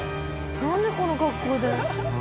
なんでこの格好で？